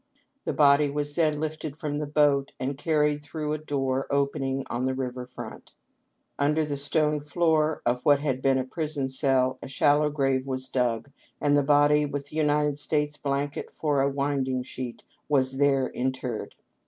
The body was then lifted from the boat and carried through a door opening on the river front. Under the stone floor of what had been a prison cell a shallow grave was dug, and the body, with the United States blanket for a ' winding sheet,' was there interred.